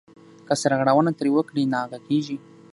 که سرغړونه ترې وکړې ناغه کېږې .